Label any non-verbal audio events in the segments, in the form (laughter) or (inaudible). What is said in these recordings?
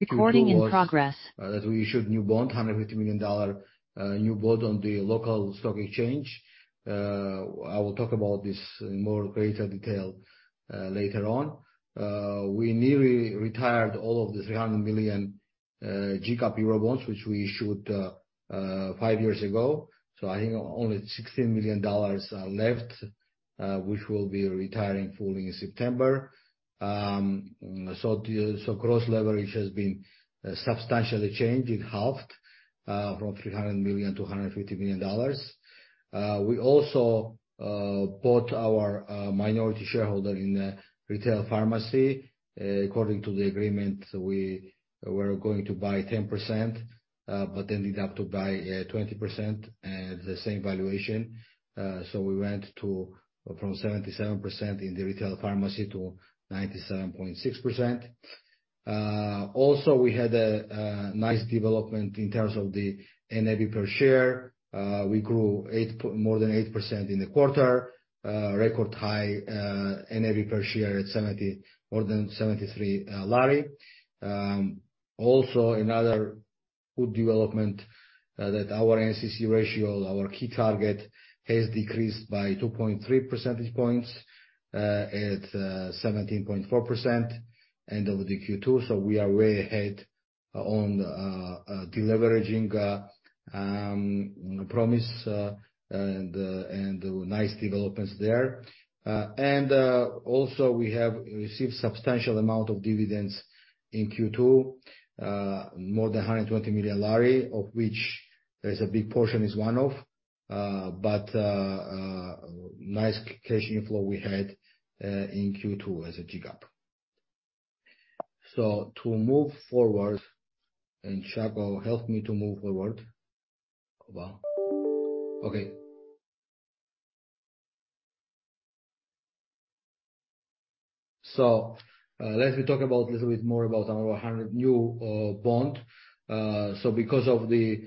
That we issued new bond, $150 million new bond on the local stock exchange. I will talk about this in more greater detail later on. We nearly retired all of the 300 million GCAP euro bonds, which we issued 5 years ago. I think only $16 million are left, which will be retiring fully in September. Gross leverage has been substantially changed; it halved from $300 million to $150 million. We also bought our minority shareholder in retail pharmacy. According to the agreement, we were going to buy 10% but ended up to buy 20% at the same valuation. We went to from 77% in the retail pharmacy to 97.6%. We had a nice development in terms of the NAV per share. We grew more than 8% in the quarter. Record high NAV per share at more than GEL 73. Another good development that our NCC ratio, our key target, has decreased by 2.3 percentage points at 17.4% end of the second quarter. We are way ahead on de-leveraging promise and nice developments there. We have received substantial amount of dividends in second quarter, more than GEL 120 million, of which there's a big portion is one-off. Nice cash inflow we had in second quarter as a GCAP. To move forward, Shako, help me to move forward. Well, okay. Let me talk about a little bit more about our 100 new bond. Because of the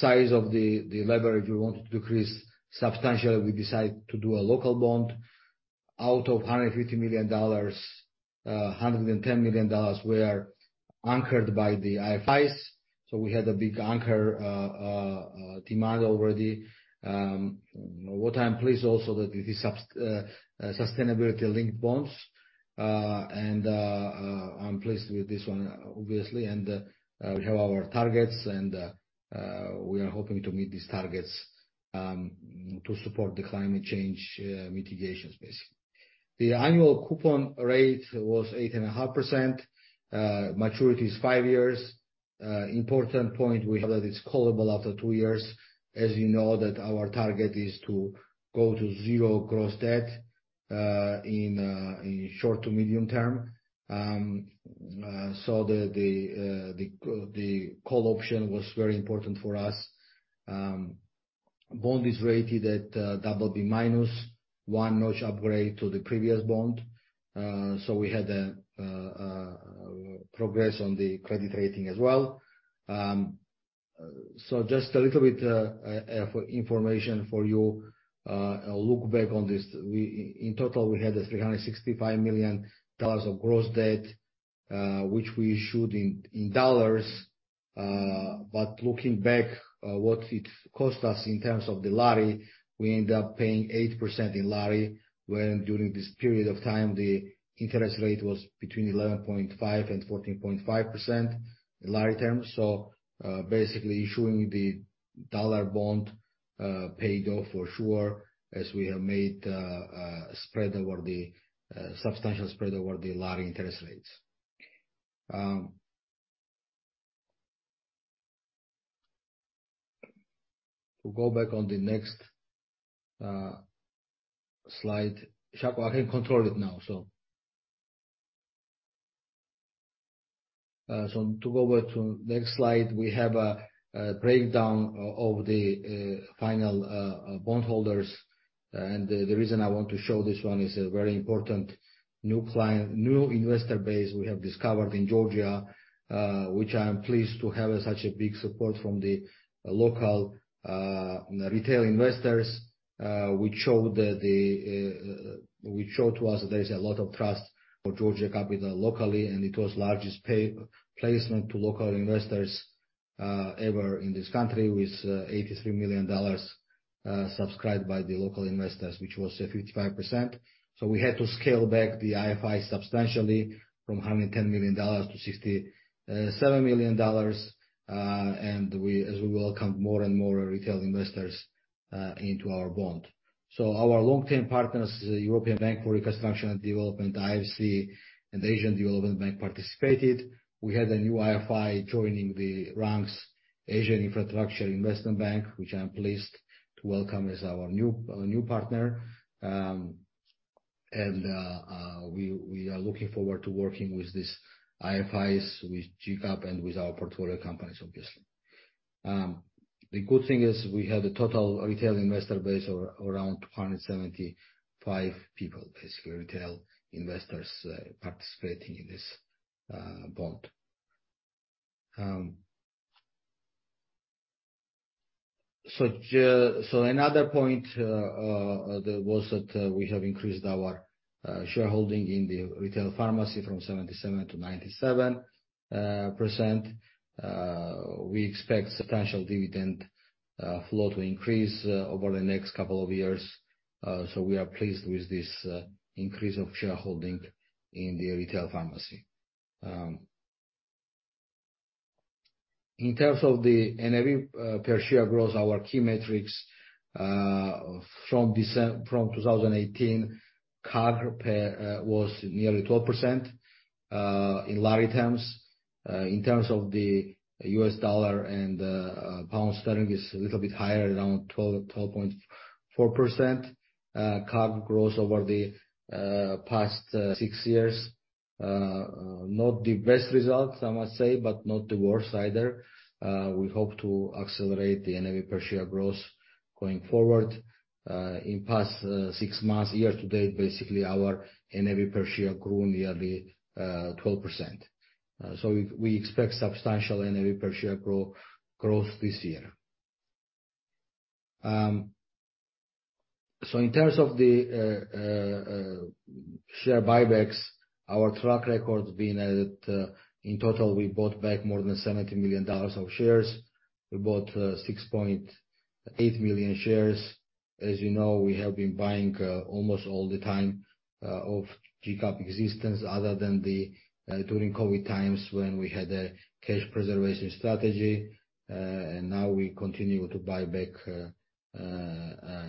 size of the leverage we wanted to decrease substantially, we decided to do a local bond. Out of $150 million, $110 million were anchored by the IFIs. We had a big anchor demand already. What I am pleased also that it is sustainability linked bonds. I'm pleased with this one, obviously, we have our targets, we are hoping to meet these targets to support the climate change mitigation space. The annual coupon rate was 8.5%. Maturity is five years. Important point, we have that it's callable after two years. As you know that our target is to go to zero gross debt in short to medium term. The call option was very important for us. Bond is rated at BB-, one notch upgrade to the previous bond. We had a progress on the credit rating as well. Just a little bit for information for you, a look back on this. In total, we had $365 million of gross debt, which we issued in dollars. Looking back, what it cost us in terms of the lari, we ended up paying 8% in lari, when during this period of time, the interest rate was between 11.5% and 14.5% in lari terms. Basically issuing the USD bond paid off for sure, as we have made a substantial spread over the lari interest rates. To go back on the next slide. Shako, I can't control it now, so. To go back to next slide, we have a breakdown of the final bondholders. The, the reason I want to show this one is a very important new client, new investor base we have discovered in Georgia, which I am pleased to have such a big support from the local retail investors. Which show to us that there is a lot of trust for Georgia Capital locally, and it was largest placement to local investors ever in this country, with $83 million subscribed by the local investors, which was 55%. We had to scale back the IFI substantially from $110 million to $67 million, and we, as we welcome more and more retail investors into our bond. Our long-term partners, the European Bank for Reconstruction and Development, IFC, and the Asian Development Bank, participated. We had a new IFI joining the ranks, Asian Infrastructure Investment Bank, which I'm pleased to welcome as our new partner. We are looking forward to working with these IFIs, with GCAP, and with our portfolio companies, obviously. The good thing is we have a total retail investor base of around 275 people, basically, retail investors, participating in this bond. Another point there was that we have increased our shareholding in the retail pharmacy from 77% to 97%. We expect substantial dividend flow to increase over the next couple of years, we are pleased with this increase of shareholding in the retail pharmacy. In terms of the NAV per share growth, our key metrics from 2018, CAGR, was nearly 12% in GEL terms. In terms of the USD and GBP, is a little bit higher, around 12% to 12.4%. CAGR growth over the past 6 years, not the best results, I must say, but not the worst either. We hope to accelerate the NAV per share growth going forward. In past 6 months, year to date, basically, our NAV per share grew nearly 12%. We, we expect substantial NAV per share growth this year. of the share buybacks, our track record being that, in total, we bought back more than $70 million of shares. We bought 6.8 million shares. As you know, we have been buying almost all the time of GCAP existence, other than during COVID times, when we had a cash preservation strategy. And now we continue to buy back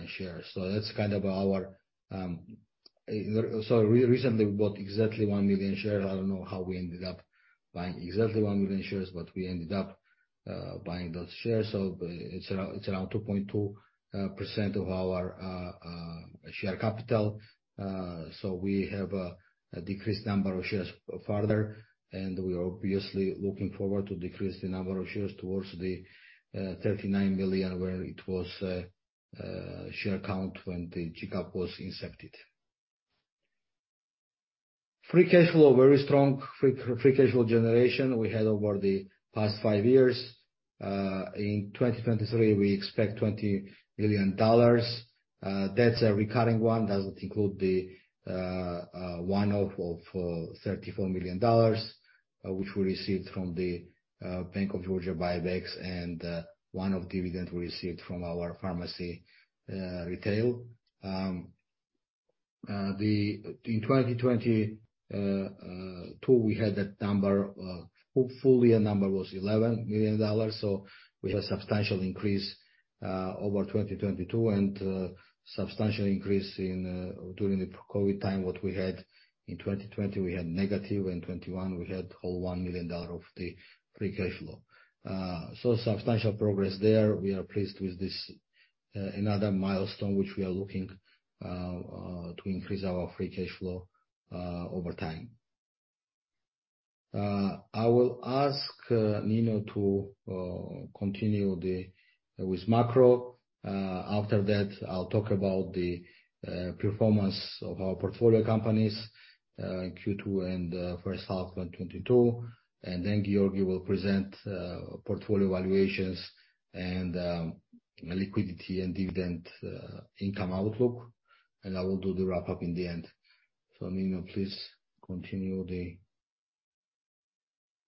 shares. So that's kind of our. So recently, we bought exactly 1 million shares. I don't know how we ended up buying exactly 1 million shares, but we ended up buying those shares. So it's around, it's around 2.2% of our share capital. We have a decreased number of shares further, and we are obviously looking forward to decrease the number of shares towards the 39 million, where it was share count when the GCAP was incepted. Free cash flow, very strong free cash flow generation we had over the past five years. In 2023, we expect $20 million. That's a recurring one. That will include the one-off of $34 million, which we received from the Bank of Georgia buybacks and one-off dividend we received from our pharmacy retail. In 2022, we had that number. Hopefully, our number was $11 million. We had substantial increase over 2022, and substantial increase during the COVID time. What we had in 2020, we had negative. In 2021, we had whole $1 million of the free cashflow. Substantial progress there. We are pleased with this, another milestone, which we are looking to increase our free cashflow over time. I will ask Nino to continue with macro. After that, I'll talk about the performance of our portfolio companies in second quarter and first half of 2022. Giorgi will present portfolio valuations and liquidity and dividend income outlook, and I will do the wrap-up in the end. Nino, please continue.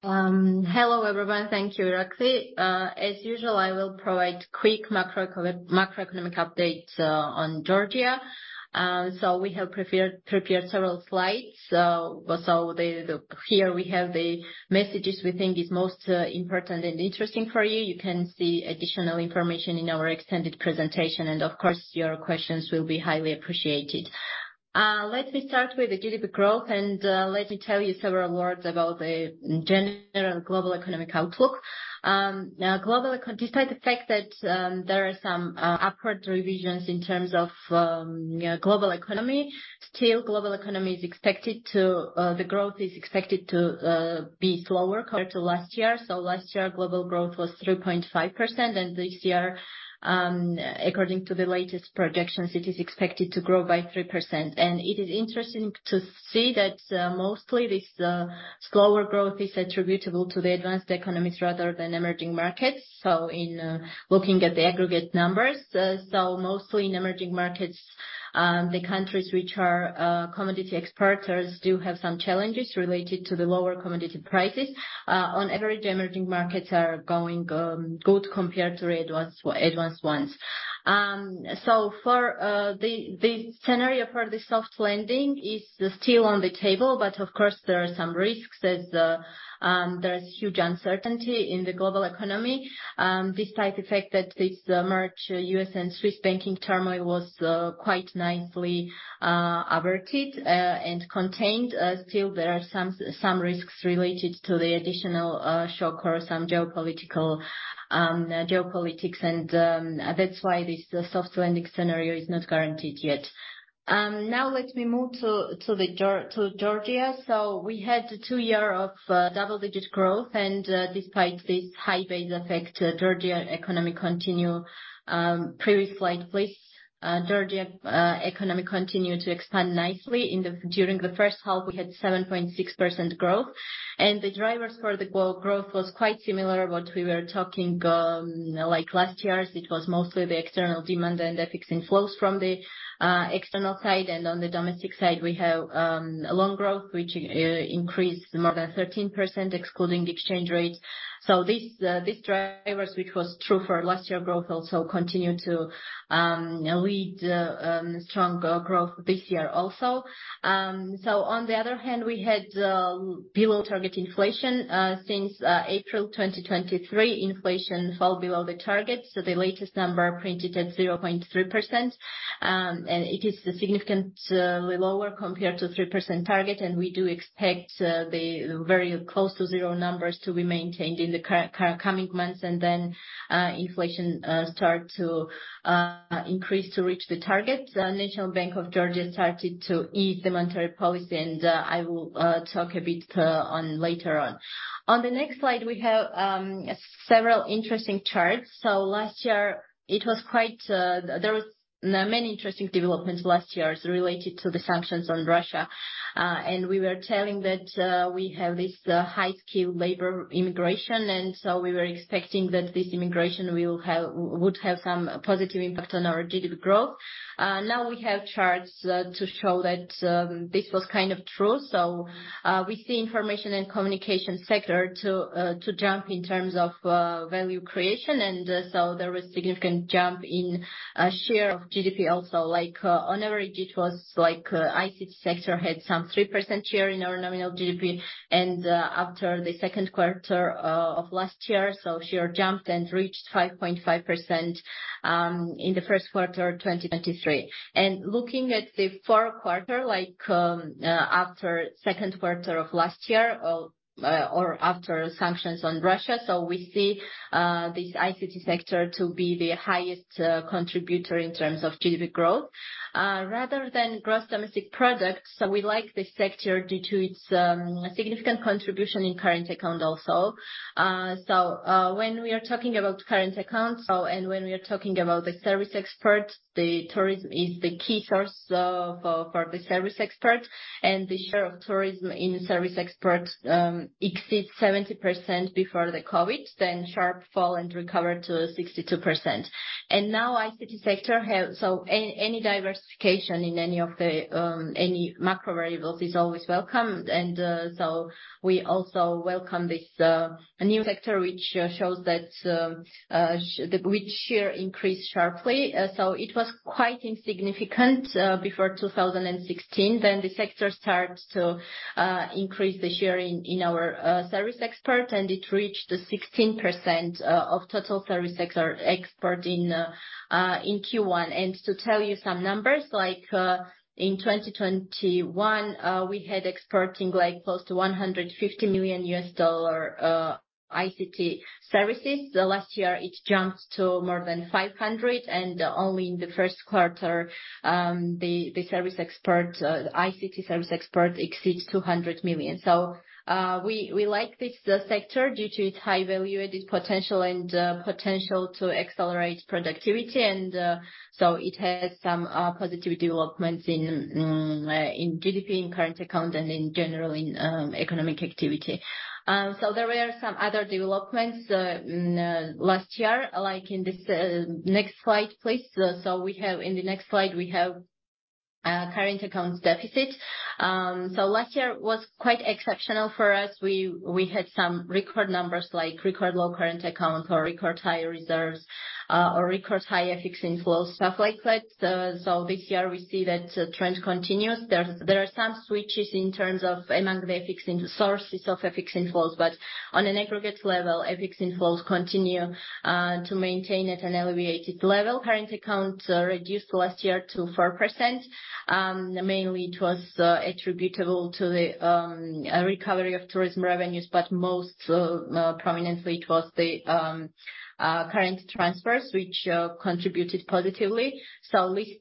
Hello, everyone. Thank you, Irakli. As usual, I will provide quick macroeconomic update on Georgia. We have prepared, prepared several slides. The, the, here we have the messages we think is most important and interesting for you. You can see additional information in our extended presentation, and of course, your questions will be highly appreciated. Let me start with the GDP growth and let me tell you several words about the general global economic outlook. Now, despite the fact that there are some upward revisions in terms of global economy, still, global economy is expected to, the growth is expected to be slower compared to last year. Last year, global growth was 3.5%, and this year, according to the latest projections, it is expected to grow by 3%. It is interesting to see that mostly, this slower growth is attributable to the advanced economies rather than emerging markets. In looking at the aggregate numbers, mostly in emerging markets, the countries which are commodity exporters do have some challenges related to the lower commodity prices. On average, emerging markets are going good compared to the advanced advanced ones. For the, the scenario for the soft landing is still on the table, but of course, there are some risks. There's there's huge uncertainty in the global economy. Despite the fact that this March US and Swiss banking turmoil was quite nicely averted and contained, still, there are some risks related to the additional shock or some geopolitical geopolitics, that's why this soft landing scenario is not guaranteed yet. Now let me move to Georgia. We had two year of double-digit growth. Despite this high base effect, Georgia economy continue... Previous slide, please... Georgia economy continued to expand nicely. During the first half, we had 7.6% growth, and the drivers for the growth was quite similar what we were talking like last year. It was mostly the external demand and the fixing flows from the external side, and on the domestic side, we have a loan growth, which increased more than 13%, excluding the exchange rate. This drivers, which was true for last year growth, also continued to lead strong growth this year also. On the other hand, we had below target inflation. Since April 2023, inflation fell below the target, so the latest number printed at 0.3%. It is significantly lower compared to 3% target, and we do expect the very close to zero numbers to be maintained in the coming months, and then inflation start to increase to reach the target. The National Bank of Georgia started to ease the monetary policy. I will talk a bit on later on. On the next slide, we have several interesting charts. Last year, there was many interesting developments last year related to the sanctions on Russia. We were telling that we have this high-skilled labor immigration, and so we were expecting that this immigration would have some positive impact on our GDP growth. We have charts to show that this was kind of true. We see Information and Communication sector to jump in terms of value creation, and so there was significant jump in share of GDP also. Like, on average, it was like, ICT sector had some 3% share in our nominal GDP, after the second quarter of last year, so share jumped and reached 5.5% in the first quarter of 2023. Looking at the fourth quarter, like, after second quarter of last year, or after sanctions on Russia, so we see this ICT sector to be the highest contributor in terms of GDP growth. Rather than gross domestic product, so we like this sector due to its significant contribution in current account also. When we are talking about current accounts, so and when we are talking about the service export, the tourism is the key source of, for the service export, and the share of tourism in service export, exceeds 70% before the COVID, then sharp fall and recover to 62%. Now, ICT sector have any diversification in any of the, any macro variables is always welcomed. And so we also welcome this, a new sector, which, shows that, which share increased sharply. It was quite insignificant, before 2016, then the sector started to increase the share in, in our, service export, and it reached 16%, of total service sector export in, in first quarter. To tell you some numbers, like, in 2021, we had exporting like close to $150 million ICT services. Last year, it jumped to more than $500 million, and only in the first quarter, the service export, ICT service export, exceeds $200 million. We, we like this sector due to its high value-added potential and potential to accelerate productivity and it has some positive developments in GDP, in current account, and in general in economic activity. There were some other developments last year, like in this next slide, please. We have, in the next slide, we have current account deficit. Last year was quite exceptional for us. We had some record numbers, like record low current account or record high reserves, or record high FX flows, stuff like that. This year, we see that trend continues. There are some switches in terms of among the FX sources of FX flows, on an aggregate level, FX flows continue to maintain at an elevated level. Current account reduced last year to 4%. Mainly, it was attributable to the recovery of tourism revenues, most prominently, it was the current transfers, which contributed positively.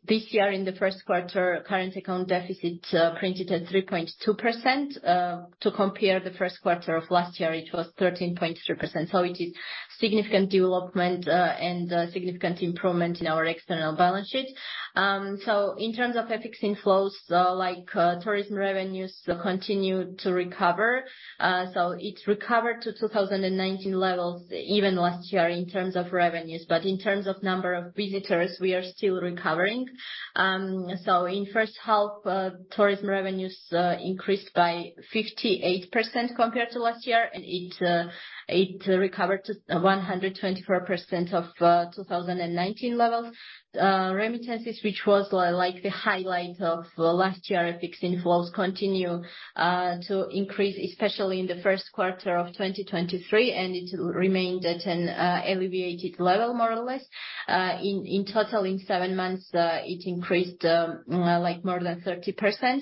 This year, in the first quarter, current account deficit printed at 3.2%. To compare the first quarter of last year, it was 13.3%. It is significant development, significant improvement in our external balance sheet. In terms of FX flows, tourism revenues continue to recover. It's recovered to 2019 levels, even last year, in terms of revenues. In terms of number of visitors, we are still recovering. In first half, tourism revenues increased by 58% compared to last year, and it recovered to 124% of 2019 levels. Remittances, which was like the highlight of last year, FX flows continue to increase, especially in the first quarter of 2023, and it remained at an elevated level, more or less. In total, in seven months, it increased more than 30%.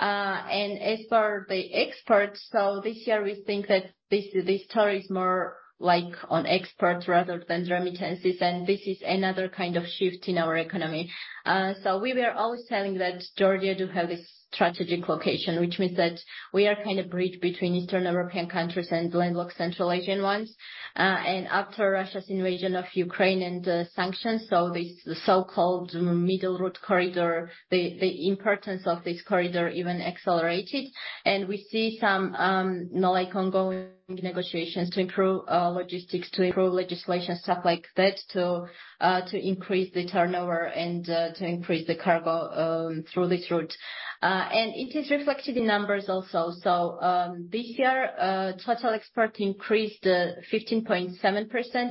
As for the export, this year we think that this, this story is more like on export rather than remittances. This is another kind of shift in our economy. We were always telling that Georgia do have this strategic location, which means that we are kind of bridge between Eastern European countries and landlocked Central Asian ones. After Russia's invasion of Ukraine and the sanctions, this so-called Middle Route Corridor, the, the importance of this corridor even accelerated. We see some, more like ongoing negotiations to improve logistics, to improve legislation, stuff like that, to increase the turnover and to increase the cargo through this route. It is reflected in numbers also. This year, total export increased 15.7%,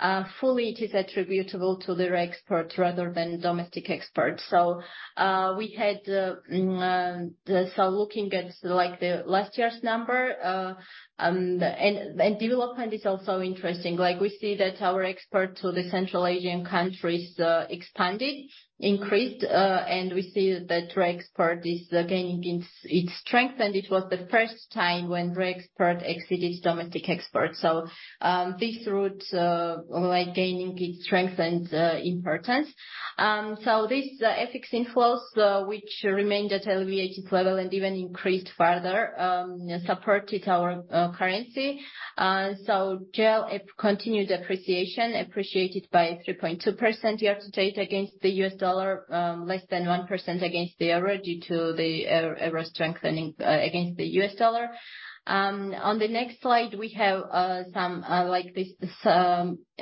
and fully it is attributable to re-export rather than domestic export. We had, so looking at like the last year's number, and development is also interesting. Like, we see that our export to the Central Asian countries expanded, increased, and we see that re-export is gaining its strength, and it was the first time when re-export exceeded domestic export. This route, like gaining its strength and importance. This FX inflows, which remained at elevated level and even increased further, supported our currency. GEL it continued appreciation, appreciated by 3.2% year-to-date against the US dollar, less than 1% against the euro, due to the euro strengthening against the US dollar. On the next slide, we have some like this,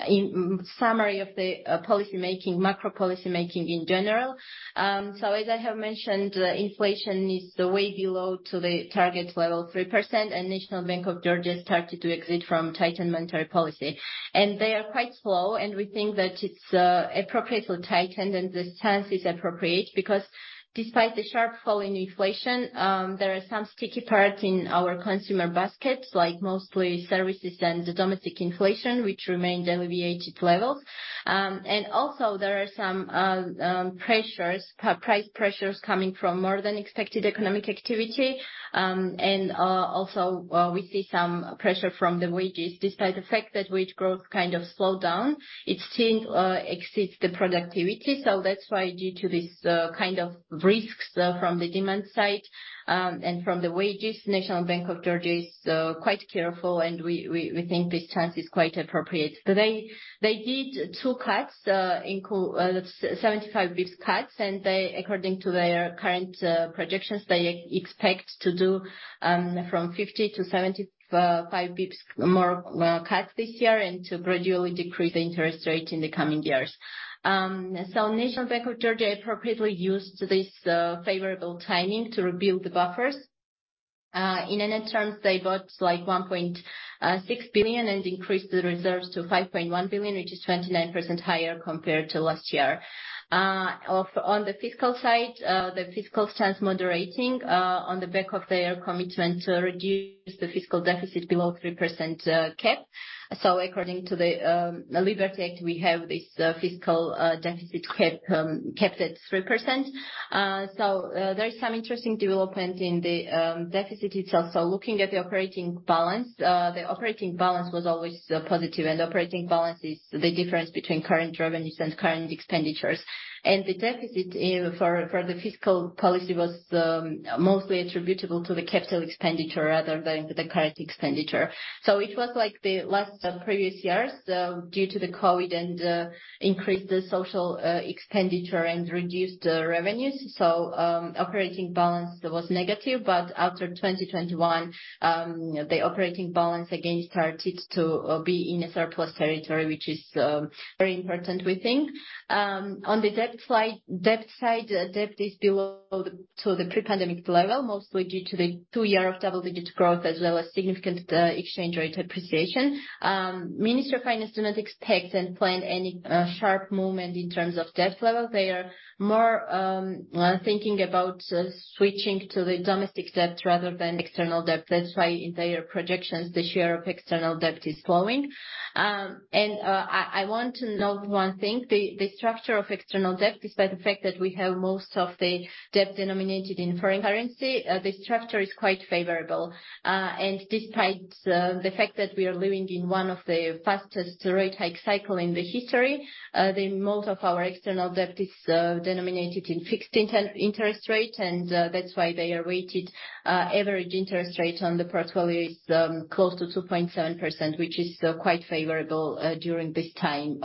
in summary of the policy making, macro policy making in general. As I have mentioned, inflation is way below to the target level of 3%, and National Bank of Georgia started to exit from tightened monetary policy. They are quite slow, and we think that it's appropriately tightened, and the stance is appropriate, because despite the sharp fall in inflation, there are some sticky parts in our consumer baskets, like mostly services and the domestic inflation, which remains elevated levels. Also, there are some pressures, price pressures coming from more than expected economic activity. Also, we see some pressure from the wages. Despite the fact that wage growth kind of slowed down, it still exceeds the productivity. That's why, due to this kind of risks from the demand side, and from the wages, National Bank of Georgia is quite careful, and we, we, we think this chance is quite appropriate. They, they did two cuts, 75 bips cuts. According to their current projections, they expect to do from 50 to 75 bips more cuts this year, and to gradually decrease the interest rate in the coming years. National Bank of Georgia appropriately used this favorable timing to rebuild the buffers. In the net terms, they got, like, GEL 1.6 billion, and increased the reserves to GEL 5.1 billion, which is 29% higher compared to last year. On the fiscal side, the fiscal stance moderating on the back of their commitment to reduce the fiscal deficit below 3% cap. According to the Liberty Act, we have this fiscal deficit cap capped at 3%. There is some interesting development in the deficit itself. Looking at the operating balance, the operating balance was always positive, and operating balance is the difference between current revenues and current expenditures. The deficit for the fiscal policy was mostly attributable to the capital expenditure rather than the current expenditure. It was like the last previous years, due to the COVID and increased the social expenditure and reduced the revenues. Operating balance was negative, but after 2021, the operating balance again started to be in a surplus territory, which is very important, we think. On the debt slide, debt side, debt is below to the pre-pandemic level, mostly due to the two years of double-digit growth, as well as significant exchange rate appreciation. Ministry of Finance do not expect and plan any sharp movement in terms of debt level. They are more thinking about switching to the domestic debt rather than external debt. That's why in their projections, the share of external debt is flowing. I want to note one thing, the, the structure of external debt, despite the fact that we have most of the debt denominated in foreign currency, the structure is quite favorable. Despite the fact that we are living in one of the fastest rate hike cycle in the history, then most of our external debt is denominated in fixed interest rate, and that's why the average interest rate on the portfolio is close to 2.7%, which is quite favorable during this time.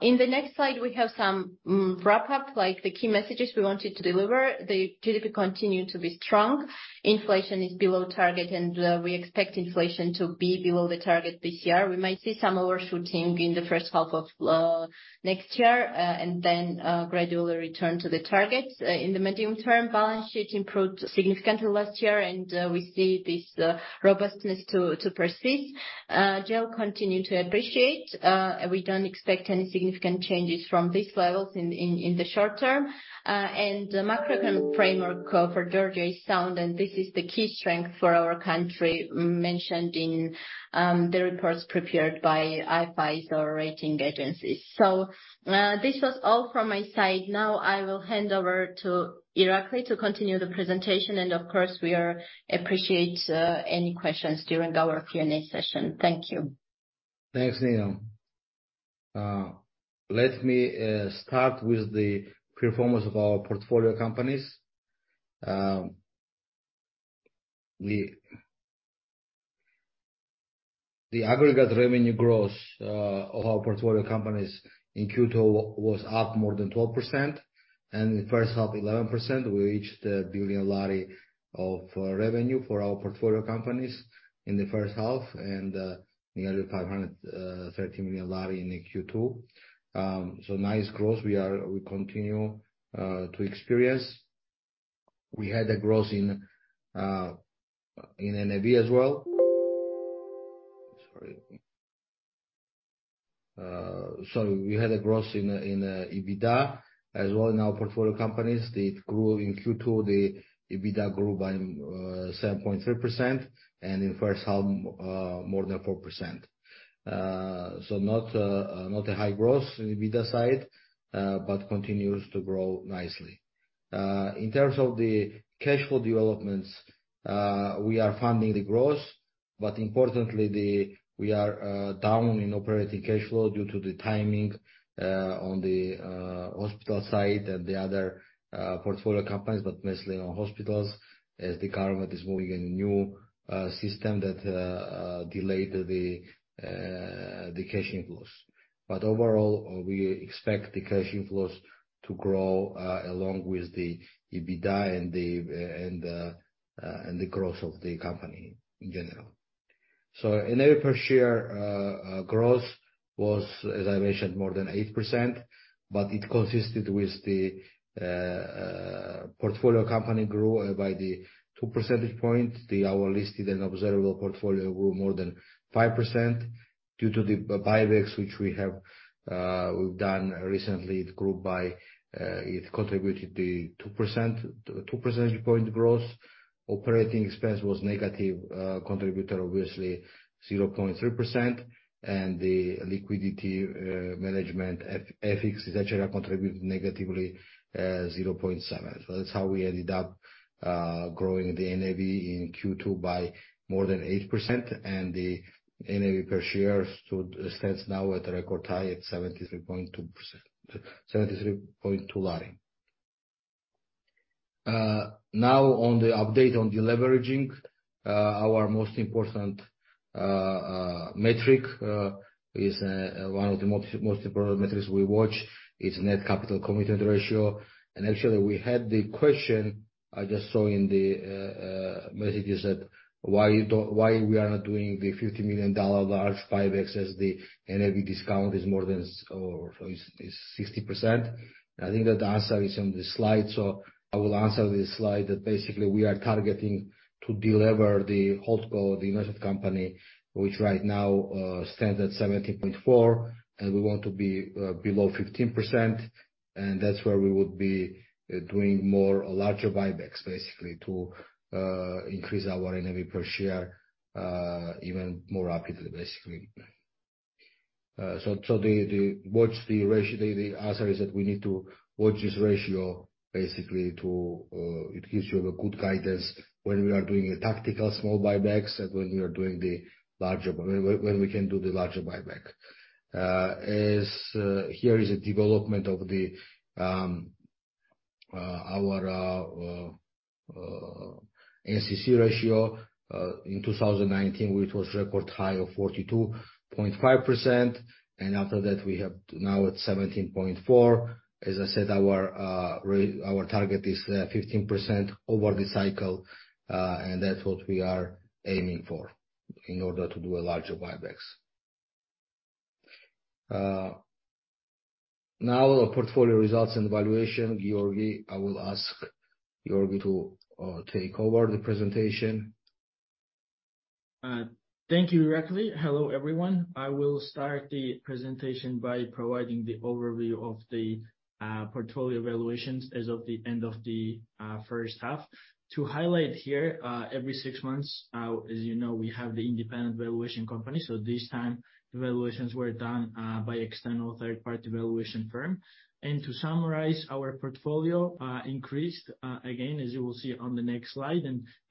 In the next slide, we have some wrap up, like the key messages we wanted to deliver. The GDP continue to be strong, inflation is below target, and we expect inflation to be below the target this year. We might see some overshooting in the first half of next year, gradually return to the target. In the medium term, balance sheet improved significantly last year, we see this robustness to persist. GEL continue to appreciate. We don't expect any significant changes from these levels in the short term. The macroeconomic framework for Georgia is sound, and this is the key strength for our country, mentioned in the reports prepared by IFIs or rating agencies. This was all from my side. Now, I will hand over to Irakli to continue the presentation, of course, we are appreciate any questions during our Q&A session. Thank you. Thanks, Nino. Let me start with the performance of our portfolio companies. The... The aggregate revenue growth of our portfolio companies in second quarter was up more than 12%, and in first half, 11%. We reached GEL 1 billion of revenue for our portfolio companies in the first half, and nearly GEL 513 million in the second quarter. So nice growth we are... we continue to experience. We had a growth in NAV as well. Sorry. So, we had a growth in EBITDA as well in our portfolio companies. They grew in second quarter, the EBITDA grew by 7.3%, and in first half, more than 4%. So not a high growth in EBITDA side but continues to grow nicely. Uh, in terms of the cash flow developments-... uh, we are funding the growth, but importantly, the, we are, uh, down in operating cash flow due to the timing, uh, on the, uh, hospital side and the other, uh, portfolio companies, but mostly on hospitals, as the government is moving a new, uh, system that, uh, uh, delayed the, uh, the cash inflows. But overall, uh, we expect the cash inflows to grow, uh, along with the EBITDA and the, uh, and the, uh, and the growth of the company in general. So, NAV per share, uh, uh, growth was, as I mentioned, more than eight percent, but it consisted with the uh, uh, portfolio company grew, uh, by the two percentage point. The, our listed and observable portfolio grew more than five percent. Due to the buybacks, which we have, we've done recently, it grew by, it contributed the 2%, 2 percentage point growth. Operating expense was negative contributor, obviously 0.3%, and the liquidity management, FX, is actually contributed negatively 0.7. That's how we ended up growing the NAV in second quarter by more than 8%, and the NAV per share stood, stands now at a record high at 73.2 lari. Now on the update on deleveraging, our most important metric is one of the most, most important metrics we watch is net capital commitment ratio. Actually, we had the question, I just saw in the messages, that why you don't... why we are not doing the $50 million large buybacks as the NAV discount is more than, or is, is 60%? I think that the answer is on this slide, so I will answer this slide, that basically, we are targeting to delever the holdco, the investment company, which right now, stands at 17.4%, and we want to be below 15%, and that's where we would be doing more, larger buybacks, basically, to increase our NAV per share even more rapidly, basically. Watch the ratio, the answer is that we need to watch this ratio basically to... It gives you a good guidance when we are doing a tactical small buybacks and when we are doing the larger, when, when we can do the larger buyback. As here is a development of the... our NCC ratio in 2019, which was record high of 42.5%. After that, we have now at 17.4%. As I said, our target is 15% over the cycle. That's what we are aiming for in order to do a larger buybacks. Now, our portfolio results and valuation. Giorgi, I will ask Giorgi to take over the presentation. Thank you, Irakli. Hello, everyone. I will start the presentation by providing the overview of the portfolio valuations as of the end of the first half. To highlight here, every 6 months, as you know, we have the independent valuation company. This time, the valuations were done by external third-party valuation firm. To summarize, our portfolio increased again, as you will see on the next slide,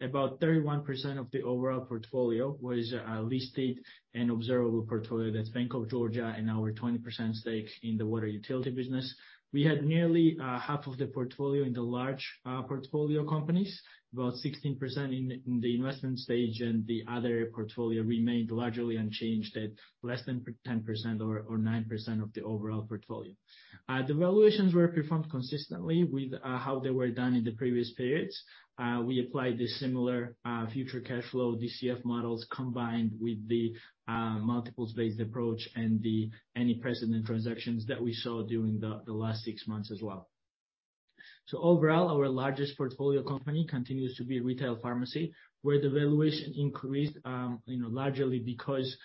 about 31% of the overall portfolio was listed and observable portfolio, that's Bank of Georgia and our 20% stake in the water utility business. We had nearly half of the portfolio in the large portfolio companies, about 16% in the investment stage, and the other portfolio remained largely unchanged at less than 10% or 9% of the overall portfolio. The valuations were performed consistently with how they were done in the previous periods. We applied the similar future cashflow DCF models, combined with the multiples-based approach and any precedent transactions that we saw during the last six months as well. Overall, our largest portfolio company continues to be retail pharmacy, where the valuation increased, you know, largely because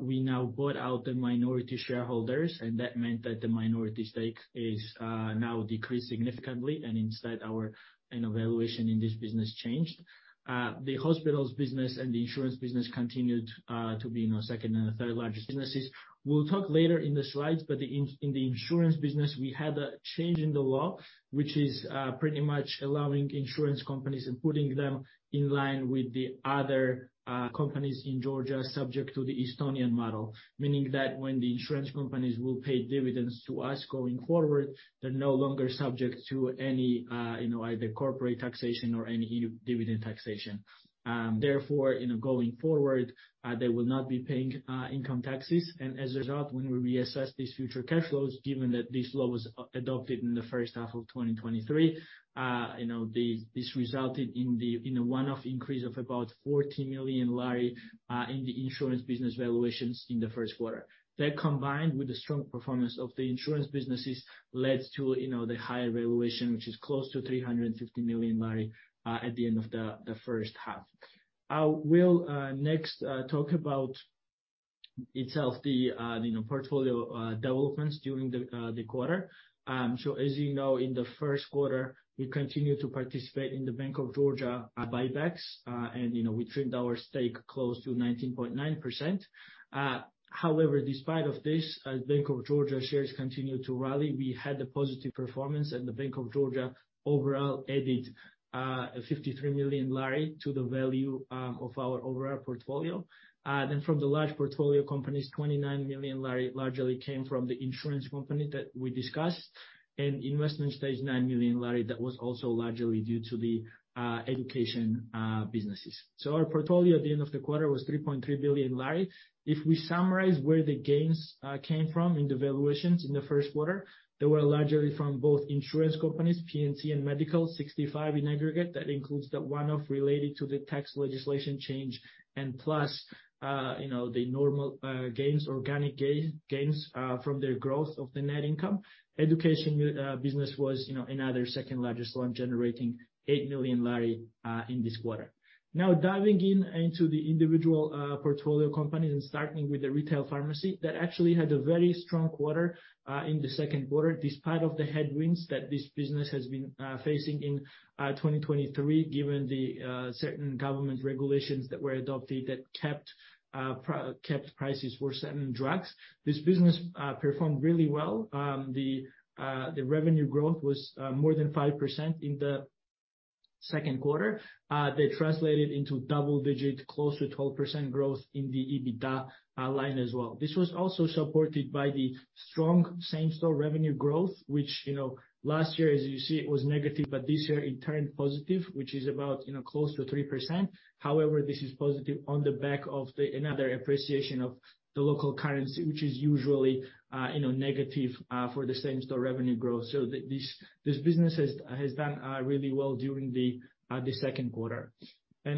we now bought out the minority shareholders, and that meant that the minority stake is now decreased significantly, and instead, our, you know, valuation in this business changed. The hospitals business and the insurance business continued to be, you know, second and third largest businesses. We'll talk later in the slides, but in, in the insurance business, we had a change in the law, which is pretty much allowing insurance companies and putting them in line with the other companies in Georgia subject to the Estonian model. Meaning that when the insurance companies will pay dividends to us going forward, they're no longer subject to any, you know, either corporate taxation or any dividend taxation. Therefore, you know, going forward, they will not be paying income taxes. As a result, when we reassess these future cash flows, given that this law was adopted in the first half of 2023, you know, the, this resulted in the, in a one-off increase of about GEL 40 million in the insurance business valuations in the first quarter. That, combined with the strong performance of the insurance businesses, led to, you know, the higher valuation, which is close to GEL 350 million at the end of the first half. I will next talk about itself the, you know, portfolio developments during the quarter. As you know, in the first quarter, we continued to participate in the Bank of Georgia buybacks, and, you know, we trimmed our stake close to 19.9%. However, despite of this, as Bank of Georgia shares continued to rally, we had a positive performance, and the Bank of Georgia overall added GEL 53 million to the value of our overall portfolio. From the large portfolio companies, GEL 29 million largely came from the insurance company that we discussed, and investment stage GEL 9 million, that was also largely due to the education businesses. Our portfolio at the end of the quarter was GEL 3.3 billion. If we summarize where the gains came from in the valuations in the first quarter, they were largely from both insurance companies, P&C and medical, GEL 65 million in aggregate. That includes the one-off related to the tax legislation change and plus, you know, the normal, organic gains from their growth of the net income. Education business was, you know, another second largest loan, generating GEL 8 million in this quarter. Now, diving in into the individual portfolio companies and starting with the retail pharmacy, that actually had a very strong quarter in the second quarter, despite of the headwinds that this business has been facing in 2023, given the certain government regulations that were adopted that kept prices for certain drugs. This business performed really well. The revenue growth was more than 5% in the second quarter. They translated into double digit, close to 12% growth in the EBITDA line as well. This was also supported by the strong same-store revenue growth, which, you know, last year, as you see, it was negative, but this year it turned positive, which is about, you know, close to 3%. However, this is positive on the back of the another appreciation of the local currency, which is usually, you know, negative for the same-store revenue growth. This, this business has, has done really well during the second quarter.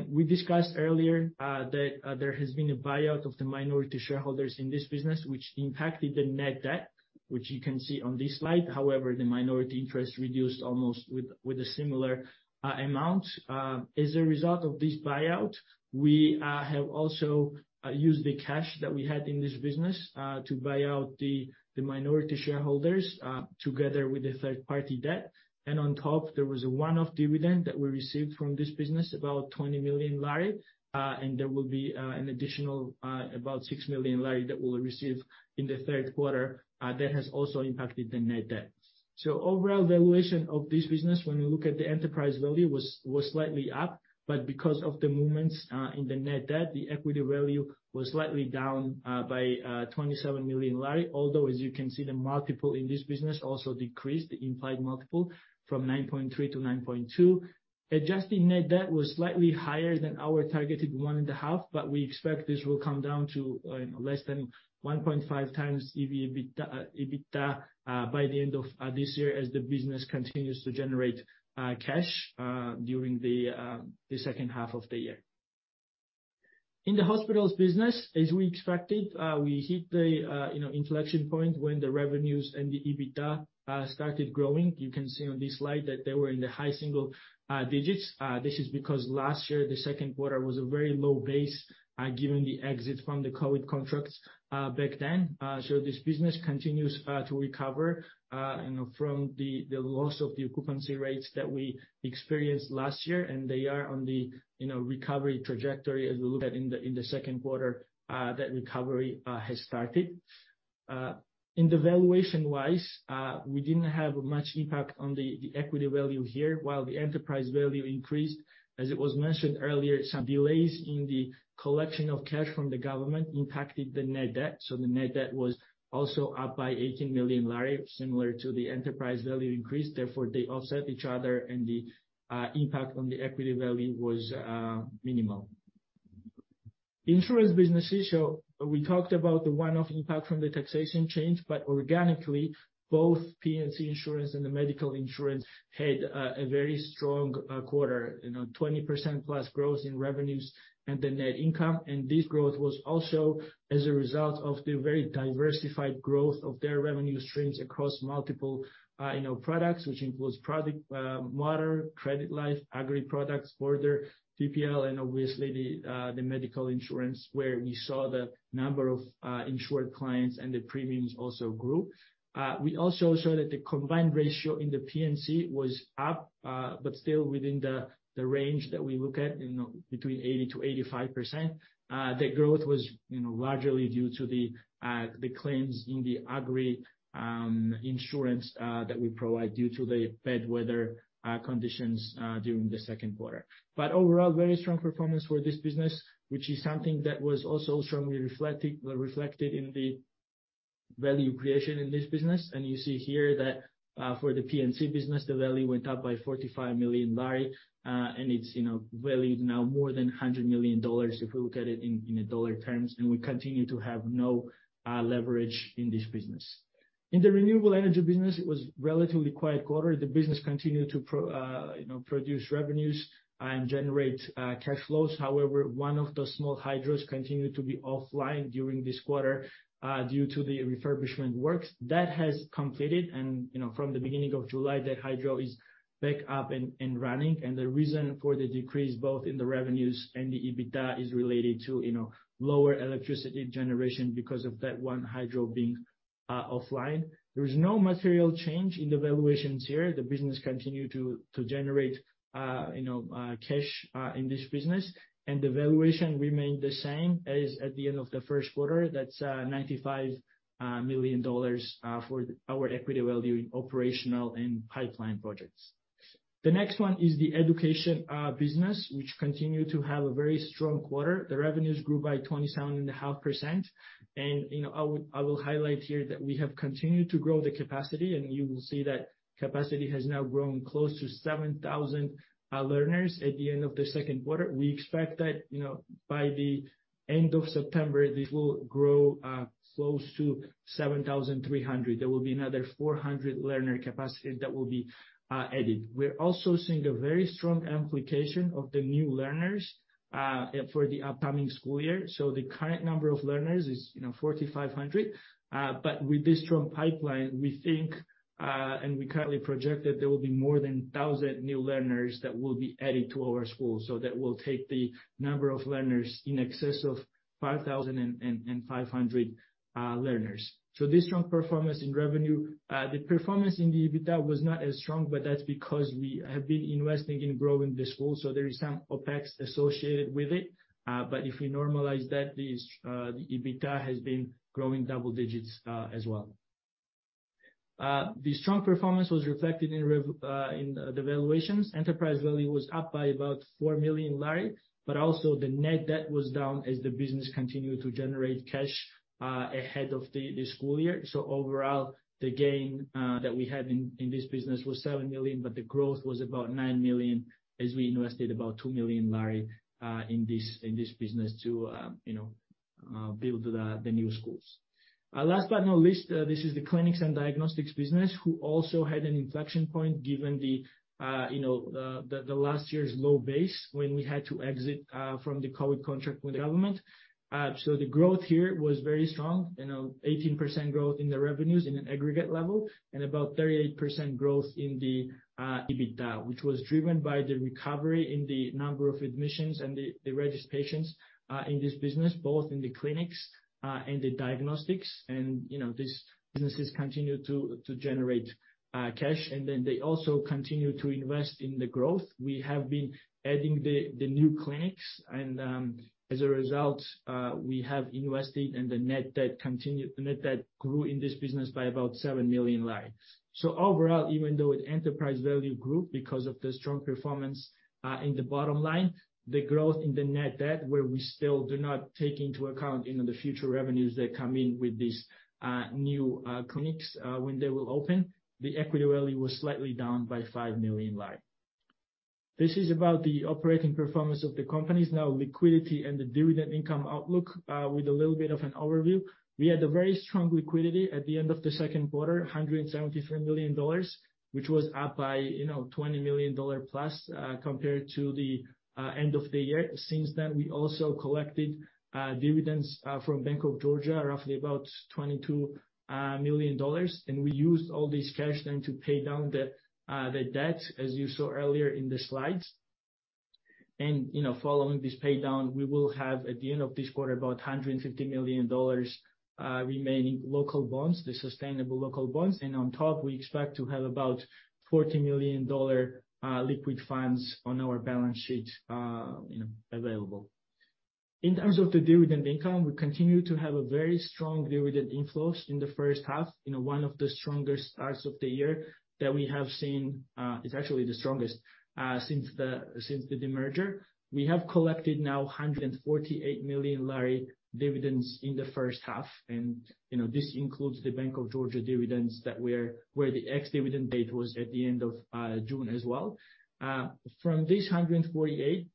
We discussed earlier that there has been a buyout of the minority shareholders in this business, which impacted the net debt, which you can see on this slide. However, the minority interest reduced almost with, with a similar amount. As a result of this buyout, we have also used the cash that we had in this business to buy out the minority shareholders together with the third-party debt. On top, there was a one-off dividend that we received from this business, about GEL 20 million, and there will be an additional about GEL 6 million that we'll receive in the third quarter. That has also impacted the net debt. Overall valuation of this business, when we look at the enterprise value, was, was slightly up, but because of the movements in the net debt, the equity value was slightly down by GEL 27 million. As you can see, the multiple in this business also decreased, the implied multiple, from 9.3 to 9.2. Adjusted net debt was slightly higher than our targeted 1.5, but we expect this will come down to less than 1.5x EV/EBITDA by the end of this year, as the business continues to generate cash during the second half of the year. In the hospitals business, as we expected, we hit the, you know, inflection point when the revenues and the EBITDA started growing. You can see on this slide that they were in the high single digits. This is because last year, the second quarter was a very low base, given the exit from the COVID contracts back then. So this business continues to recover, you know, from the, the loss of the occupancy rates that we experienced last year, and they are on the, you know, recovery trajectory. As we look at in the, in the second quarter, that recovery has started. In the valuation-wise, we didn't have much impact on the, the equity value here, while the enterprise value increased. As it was mentioned earlier, some delays in the collection of cash from the government impacted the net debt, so the net debt was also up by GEL 18 million, similar to the enterprise value increase. Therefore, they offset each other, and the impact on the equity value was minimal. Insurance businesses, so we talked about the one-off impact from the taxation change, but organically, both P&C insurance and the medical insurance had a very strong quarter. You know, 20% plus growth in revenues and the net income, and this growth was also as a result of the very diversified growth of their revenue streams across multiple, you know, products, which includes product, motor, credit life, agri products, Border TPL, and obviously the medical insurance, where we saw the number of insured clients and the premiums also grew. We also saw that the combined ratio in the P&C was up, but still within the range that we look at, you know, between 80% to 85%. The growth was, you know, largely due to the claims in the agri insurance that we provide due to the bad weather conditions during the second quarter. Overall, very strong performance for this business, which is something that was also strongly reflected reflected in the value creation in this business. You see here that for the P&C business, the value went up by GEL 45 million, and it's, you know, valued now more than $100 million, if we look at it in, in dollar terms, and we continue to have no leverage in this business. In the renewable energy business, it was relatively quiet quarter. The business continued to, you know, produce revenues and generate cash flows. However, one of the small hydros continued to be offline during this quarter, due to the refurbishment works. That has completed, you know, from the beginning of July, that hydro is back up and running. The reason for the decrease, both in the revenues and the EBITDA, is related to, you know, lower electricity generation because of that one hydro being offline. There is no material change in the valuations here. The business continue to generate, you know, cash in this business, the valuation remained the same as at the end of the first quarter. That's $95 million for our equity value in operational and pipeline projects. The next one is the education business, which continued to have a very strong quarter. The revenues grew by 27.5%, you know, I will highlight here that we have continued to grow the capacity, and you will see that capacity has now grown close to 7,000 learners at the end of the second quarter. We expect that, you know, by the end of September, this will grow close to 7,300. There will be another 400 learner capacity that will be added. We're also seeing a very strong amplification of the new learners for the upcoming school year. The current number of learners is, you know, 4,500. With this strong pipeline, we think, and we currently project that there will be more than 1,000 new learners that will be added to our school. That will take the number of learners in excess of 5,500 learners. This strong performance in revenue, the performance in the EBITDA was not as strong, but that's because we have been investing in growing the school, so there is some OPEX associated with it. If we normalize that, the EBITDA has been growing double digits as well. The strong performance was reflected in the valuations. Enterprise value was up by about GEL 4 million, also the net debt was down as the business continued to generate cash ahead of the school year. Overall, the gain that we had in this business was 7 million, but the growth was about 9 million, as we invested about GEL 2 million in this business to, you know, build the new schools. Last but not least, this is the clinics and diagnostics business, who also had an inflection point, given the, you know, the last year's low base, when we had to exit from the COVID contract with the government. The growth here was very strong, you know, 18% growth in the revenues in an aggregate level, and about 38% growth in the EBITDA, which was driven by the recovery in the number of admissions and the registrations in this business, both in the clinics and the diagnostics. You know, these businesses continue to, to generate cash, and then they also continue to invest in the growth. We have been adding the, the new clinics, and as a result, we have invested in the net debt. The net debt grew in this business by about GEL 7 million. Overall, even though its enterprise value grew because of the strong performance in the bottom line, the growth in the net debt, where we still do not take into account, you know, the future revenues that come in with these new clinics, when they will open, the equity value was slightly down by GEL 5 million. This is about the operating performance of the companies. Now, liquidity and the dividend income outlook, with a little bit of an overview. We had a very strong liquidity at the end of the second quarter, $173 million, which was up by, you know, $20 million plus, compared to the end of the year. We used all this cash then to pay down the debt, as you saw earlier in the slides. You know, following this pay down, we will have, at the end of this quarter, about $150 million remaining local bonds, the sustainable local bonds. On top, we expect to have about $40 million liquid funds on our balance sheet, you know, available. In terms of the dividend income, we continue to have a very strong dividend inflows in the first half. You know, one of the strongest starts of the year that we have seen. It's actually the strongest since the, since the demerger. We have collected now GEL 148 million dividends in the first half, and, you know, this includes the Bank of Georgia dividends where the ex-dividend date was at the end of June as well. From this GEL 148,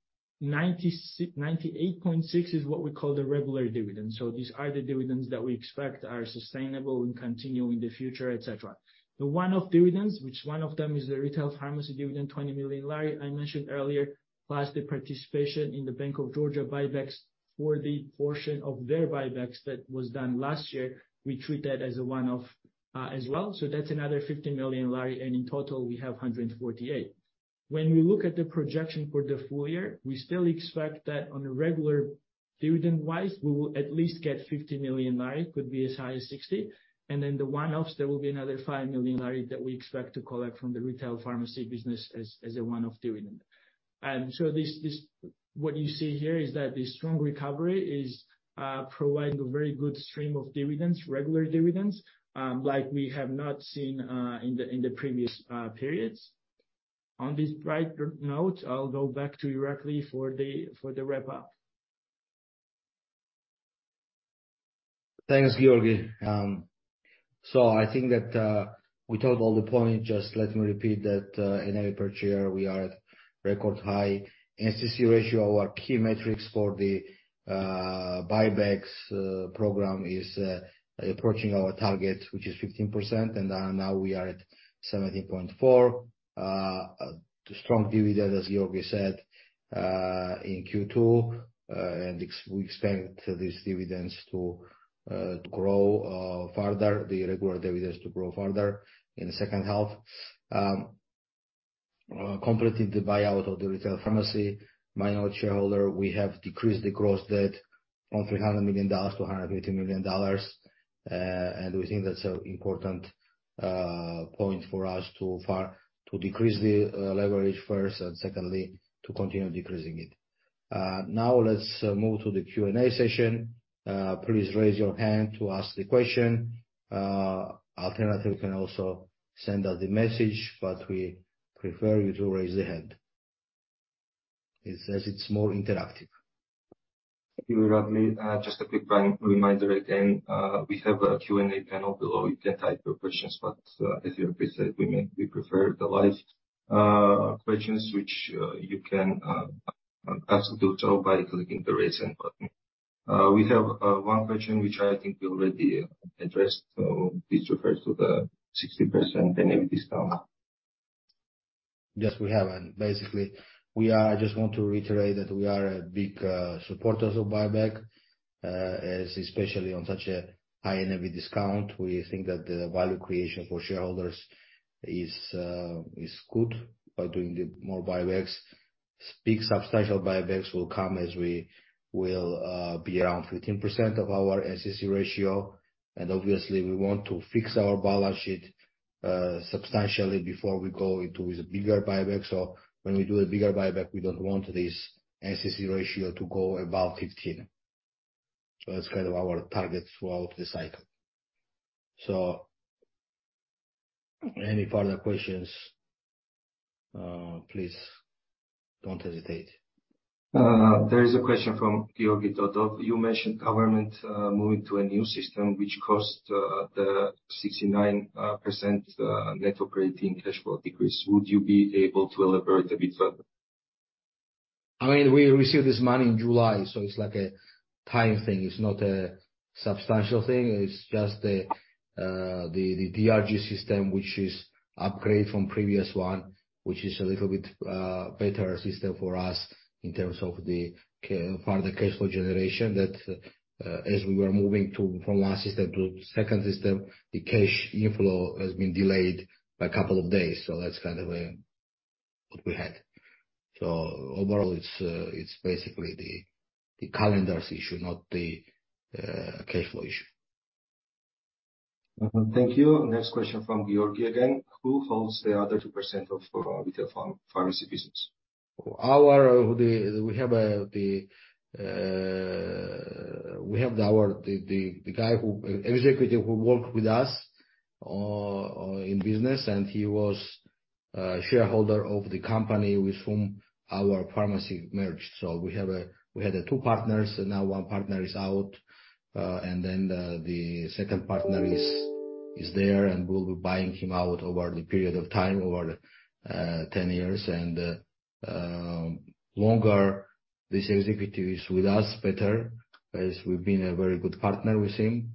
GEL 98.6 is what we call the regular dividend. So these are the dividends that we expect are sustainable and continue in the future, et cetera. The one-off dividends, which one of them is the retail pharmacy dividend, GEL 20 million, I mentioned earlier, plus the participation in the Bank of Georgia buybacks, for the portion of their buybacks that was done last year, we treat that as a one-off as well. That's another GEL 50 million, and in total, we have GEL 148 million. When we look at the projection for the full year, we still expect that on a regular dividend-wise, we will at least get GEL 50 million, could be as high as GEL 60 million. Then the one-offs, there will be another GEL 5 million that we expect to collect from the retail pharmacy business as a one-off dividend. This, what you see here is that the strong recovery is providing a very good stream of dividends, regular dividends, like we have not seen in the previous periods. On this bright note, I'll go back to Irakli for the wrap-up. Thanks, Giorgi. I think that we talked all the point, just let me repeat that NAV per share, we are at record high. NCC ratio, our key metrics for the buybacks program is approaching our target, which is 15%, and now we are at 17.4%. The strong dividend, as Giorgi said, in second quarter, and we expect these dividends to grow further, the regular dividends to grow further in the second half. Completing the buyout of the retail pharmacy, minority shareholder, we have decreased the gross debt from $300 million to $250 million, and we think that's an important point for us to decrease the leverage first, and secondly, to continue decreasing it. Now let's move to the Q&A session. Please raise your hand to ask the question. Alternatively, you can also send us the message. We prefer you to raise the hand. It's as it's more interactive. Thank you, Irakli. Just a quick reminder again, we have a Q&A panel below. You can type your questions, but, as you previously said, we prefer the live questions, which you can absolutely do so by clicking the Raise Hand button. We have one question, which I think we already addressed. This refers to the 60% NAV discount. Yes, we have. Basically, I just want to reiterate that we are big supporters of buyback, as especially on such a high NAV discount. We think that the value creation for shareholders is good by doing the more buybacks. Big, substantial buybacks will come as we will be around 15% of our NCC ratio. Obviously, we want to fix our balance sheet substantially before we go into the bigger buyback. When we do a bigger buyback, we don't want this NCC ratio to go above 15. That's kind of our target throughout this cycle. Any further questions, please don't hesitate. There is a question from Giorgi Todua. You mentioned government moving to a new system which cost the 69% net operating cash flow decrease. Would you be able to elaborate a bit further? I mean, we received this money in July, so it's like a time thing. It's not a substantial thing. It's just the, the DRG system, which is upgrade from previous one, which is a little bit better system for us in terms of further cash flow generation, that as we were moving to, from one system to second system, the cash inflow has been delayed by a couple of days, that's kind of what we had. Overall, it's, it's basically the, the calendars issue, not the cash flow issue. Thank you. Next question from Giorgi again. Who holds the other 2% of retail pharmacy business? Our. We have. We have our guy who, executive who worked with us in business, and he was shareholder of the company with whom our pharmacy merged. We had two partners, and now one partner is out, and then the second partner is there, and we'll be buying him out over the period of time, over 10 years. Longer this executive is with us, better, as we've been a very good partner with him.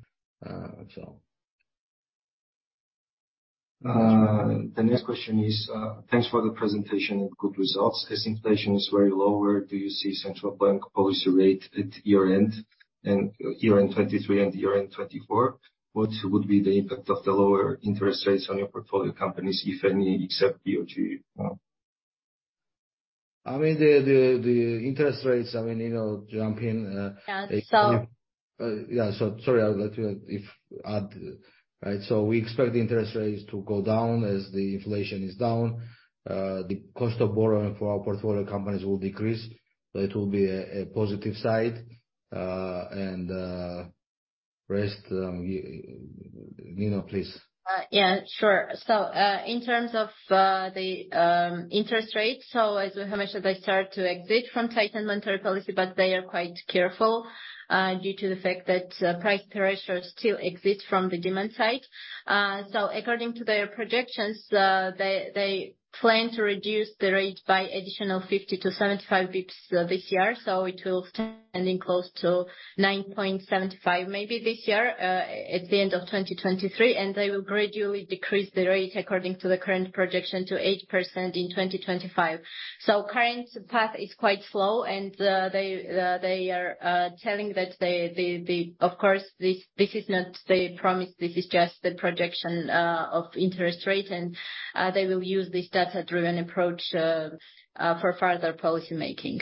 The next question is: Thanks for the presentation and good results. As inflation is very low, where do you see central bank policy rate at year-end, and year-end 2023 and year-end 2024? What would be the impact of the lower interest rates on your portfolio companies, if any, except BoG? I mean, the, the, the interest rates, I mean, you know, jumping. Yeah, sp... (crosstalk) Yeah, sorry, I'll let you if add... Right, we expect the interest rates to go down as the inflation is down. The cost of borrowing for our portfolio companies will decrease, so it will be a, a positive side. Rest, you, Nino, please. Yeah, sure. In terms of the interest rates, as we mentioned, they start to exit from tight monetary policy, but they are quite careful due to the fact that price pressure still exists from the demand side. According to their projections, they, they plan to reduce the rate by additional 50 to 75 bips this year, so it will standing close to 9.75%, maybe this year, at the end of 2023. And they will gradually decrease the rate, according to the current projection, to 8% in 2025. Current path is quite slow. They are telling that of course, this, this is not they promise. This is just the projection of interest rate. They will use this data-driven approach for further policy making.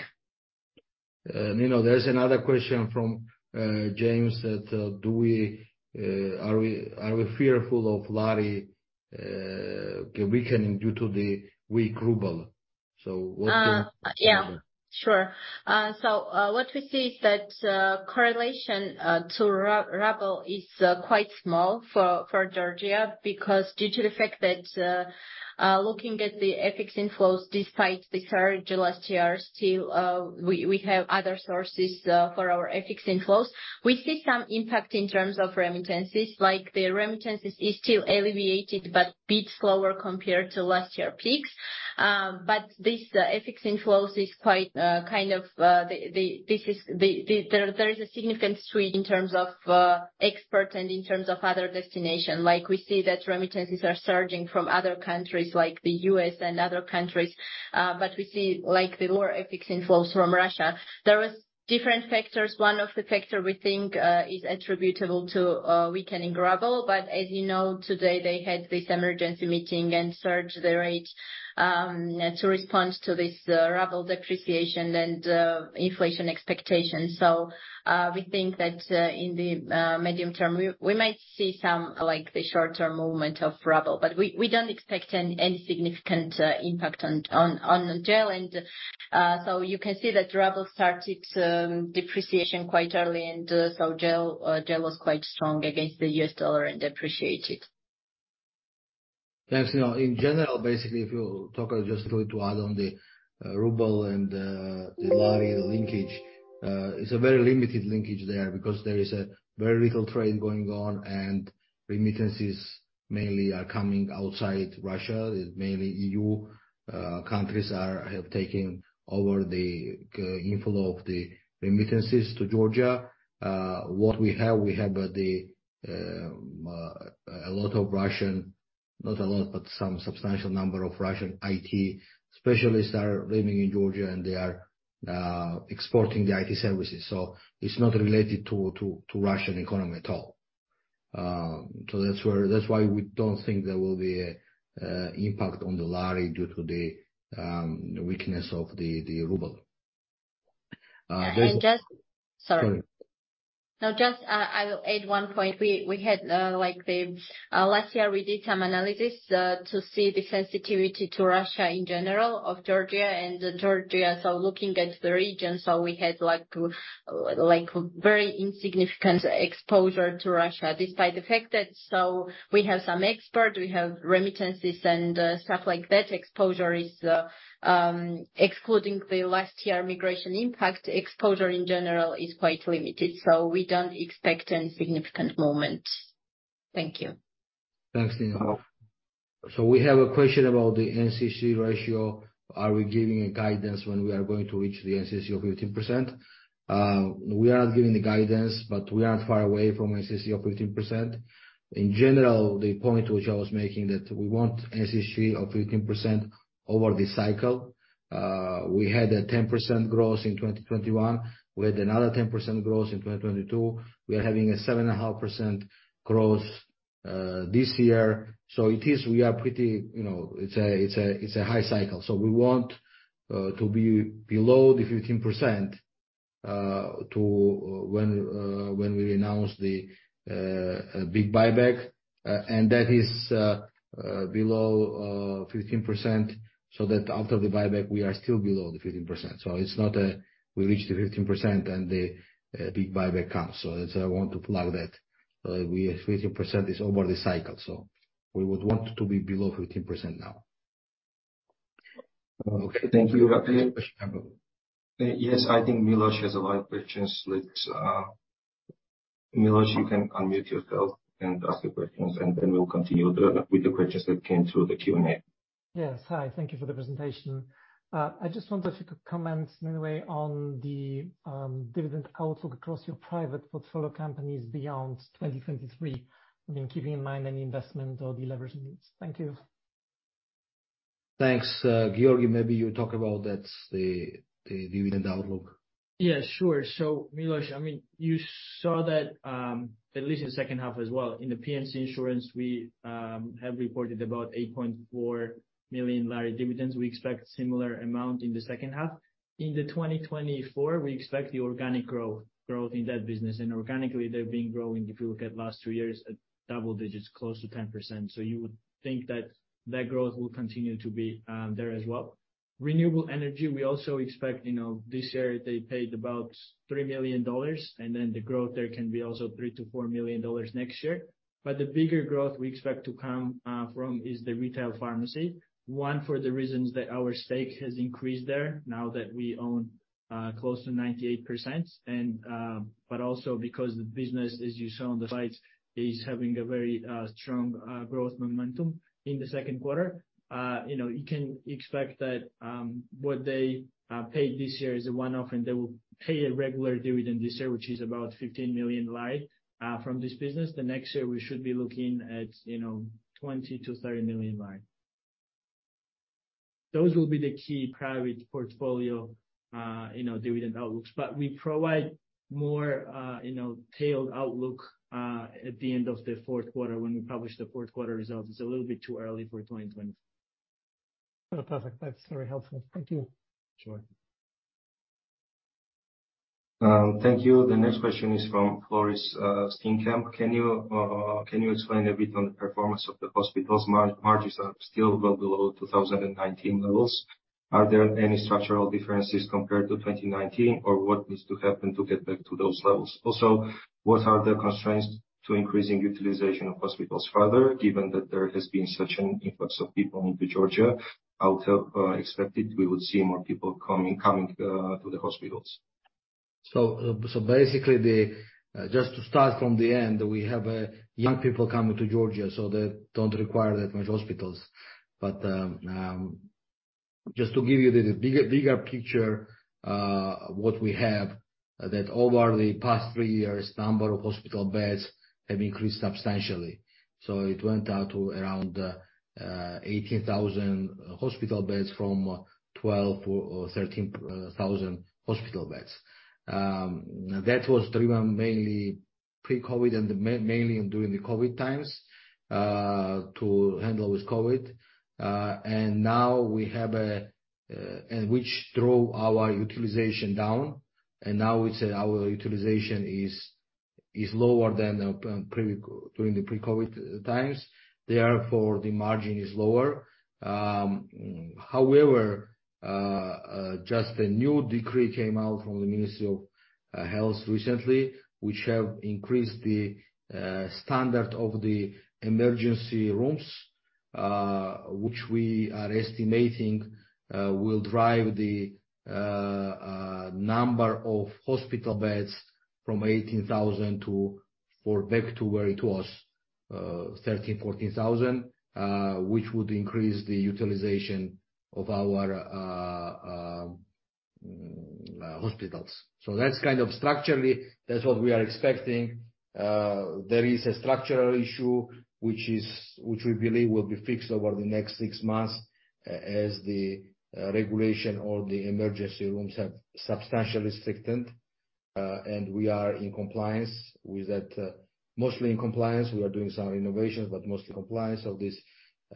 Nino, there's another question from James, that, do we, are we fearful of lari weakening due to the weak ruble? Yeah, sure. What we see is that correlation to ruble is quite small for Georgia because due to the fact that looking at the FX inflows, despite the current last year still, we have other sources for our FX inflows. We see some impact in terms of remittances, like the remittances is still alleviated, but a bit slower compared to last year peaks. But this FX inflows is quite, kind of, this is the, there is a significant switch in terms of export and in terms of other destination. Like, we see that remittances are surging from other countries like the US and other countries, but we see, like, the lower FX inflows from Russia. There is different factors. One of the factor we think is attributable to weakening Ruble, but as you know, today, they had this emergency meeting and surged the rate to respond to this Ruble depreciation and inflation expectations. We think that in the medium term, we, we might see some, like, the short-term movement of Ruble, but we, we don't expect any, any significant impact on, on, on the GEL. You can see that Ruble started depreciation quite early, and so GEL, GEL was quite strong against the US dollar and depreciated. Thanks, Nino. In general, basically, if you talk just a little to add on the ruble and the lari, the linkage, it's a very limited linkage there, because there is very little trade going on, and remittances mainly are coming outside Russia. Mainly EU countries are, have taken over the inflow of the remittances to Georgia. What we have, we have the a lot of Russian... Not a lot, but some substantial number of Russian IT specialists are living in Georgia, and they are exporting the IT services. It's not related to, to, to Russian economy at all. That's where, that's why we don't think there will be a impact on the lari due to the weakness of the ruble. There's... Just... (crosstalk) Sorry. Sorry. No, just, I will add one point. We, we had, like the, last year, we did some analysis, to see the sensitivity to Russia in general, of Georgia, and Georgia, so looking at the region, so we had like, like very insignificant exposure to Russia, despite the fact that so we have some export, we have remittances and stuff like that. Exposure is, excluding the last year migration impact, exposure in general is quite limited, so we don't expect any significant movement. Thank you. Thanks, Nino. We have a question about the NCC ratio. Are we giving a guidance when we are going to reach the NCC of 15%? We are not giving the guidance, but we aren't far away from NCC of 15%. In general, the point which I was making, that we want NCC of 15% over the cycle. We had a 10% growth in 2021, we had another 10% growth in 2022. We are having a 7.5% growth this year. It is, we are pretty, you know, it's a high cycle. We want to be below the 15% to when when we announce the big buyback, and that is below 15%, so that after the buyback, we are still below the 15%. It's not, we reach the 15% and the big buyback comes. I want to plug that. We, 15% is over the cycle, so we would want to be below 15% now. Okay, thank you. Any question come up? Yes, I think Miloš has a lot of questions. Let's Miloš, you can unmute yourself and ask the questions, and then we'll continue with the questions that came through the Q&A. Yes. Hi, thank you for the presentation. I just wondered if you could comment maybe on the dividend outlook across your private portfolio companies beyond 2023, I mean, keeping in mind any investment or deleverage needs. Thank you. Thanks. Giorgi, maybe you talk about that, the, the dividend outlook. Yeah, sure. Miloš, I mean, you saw that, at least in the second half as well, in the P&C insurance, we have reported about GEL 8.4 million dividends. We expect similar amount in the second half. In 2024, we expect the organic growth, growth in that business, and organically, they've been growing, if you look at last two years, at double digits, close to 10%. You would think that that growth will continue to be there as well. Renewable energy, we also expect, you know, this year they paid about $3 million, and then the growth there can be also $3 to 4 million next year. The bigger growth we expect to come from is the retail pharmacy. One, for the reasons that our stake has increased there, now that we own, close to 98%, and, but also because the business, as you saw on the slides, is having a very strong growth momentum in the second quarter. You know, you can expect that, what they paid this year is a one-off, and they will pay a regular dividend this year, which is about GEL 15 million from this business. The next year, we should be looking at, you know, GEL 20 million-GEL 30 million. Those will be the key private portfolio, you know, dividend outlooks. We provide more, you know, tailed outlook, at the end of the fourth quarter when we publish the fourth quarter results. It's a little bit too early for 2020. Oh, perfect. That's very helpful. Thank you. Sure. Thank you. The next question is from Floris Steenkamp: "Can you, can you explain a bit on the performance of the hospitals? Margins are still well below 2019 levels. Are there any structural differences compared to 2019, or what needs to happen to get back to those levels? Also, what are the constraints to increasing utilization of hospitals further, given that there has been such an influx of people into Georgia? I would have expected we would see more people coming, coming, to the hospitals. Basically, the, just to start from the end, we have young people coming to Georgia, so they don't require that much hospitals. Just to give you the bigger, bigger picture, what we have, that over the past three years, number of hospital beds have increased substantially. It went up to around 18,000 hospital beds from 12,000 or 13,000 hospital beds. That was driven mainly pre-COVID and mainly during the COVID times, to handle with COVID. Now we have a... which drove our utilization down, and now it's, our utilization is, is lower than pre- during the pre-COVID times. Therefore, the margin is lower. However, just a new decree came out from the Ministry of Health recently, which have increased the standard of the emergency rooms, which we are estimating will drive the number of hospital beds from 18,000 to, for back to where it was, 13,000 to 14,000, which would increase the utilization of our hospitals. That's kind of structurally, that's what we are expecting. There is a structural issue, which is, which we believe will be fixed over the next six months as the regulation or the emergency rooms have substantially strictened. We are in compliance with that, mostly in compliance. We are doing some renovations, but mostly compliance of this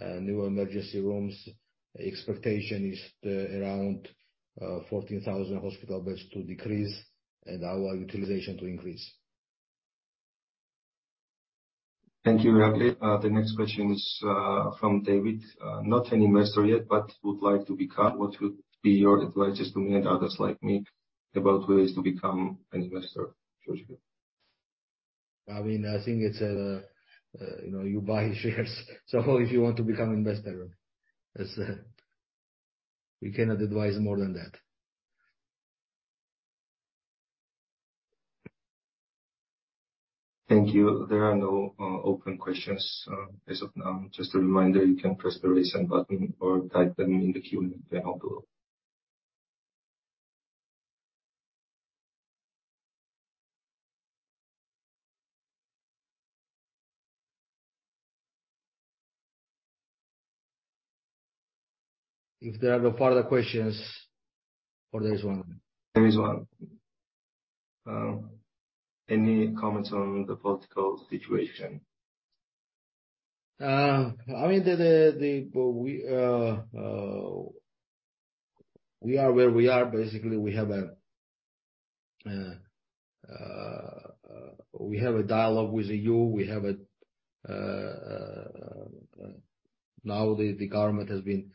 new emergency rooms. Expectation is the around, 14,000 hospital beds to decrease and our utilization to increase. Thank you, Irakli. The next question is from David. "Not an investor yet but would like to become. What would be your advice to me and others like me about ways to become an investor in Georgia? I mean, I think it's, you know, you buy shares, so if you want to become investor. We cannot advise more than that. Thank you. There are no open questions as of now. Just a reminder, you can press the Raise Hand button or type them in the Q&A panel below. If there are no further questions. There is one? There is one. Any comments on the political situation? I mean, the, the, the, we, we are where we are. Basically, we have a, we have a dialogue with the EU. We have a, now the, the government has been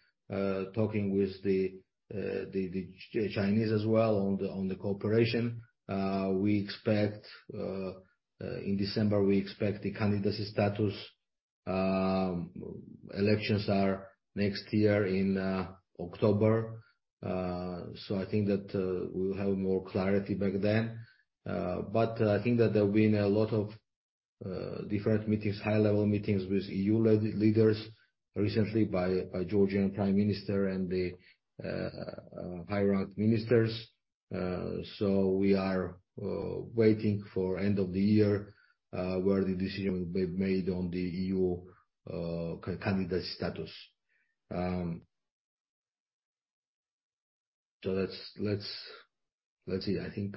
talking with the, the, the Chinese as well on the, on the cooperation. We expect, in December, we expect the candidacy status. Elections are next year in October. I think that we'll have more clarity back then. I think that there have been a lot of different meetings, high-level meetings with EU leaders recently by Georgian Prime Minister and the high-rank ministers. We are waiting for end of the year, where the decision will be made on the EU candidacy status. Let's, let's, let's see. I think,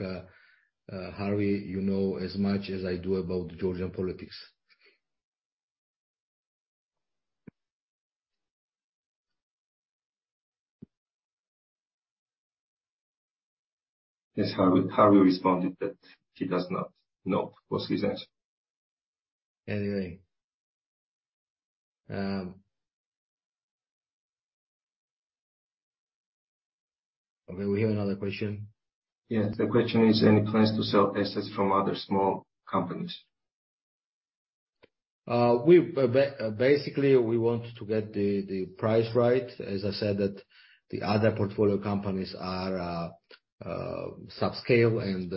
Harvey, you know as much as I do about Georgian politics. Yes, Harvey, Harvey responded that he does not know. Was his answer. Anyway, Okay, we have another question? Yes. The question is, any plans to sell assets from other small companies? We basically want to get the price right. As I said that the other portfolio companies are subscale and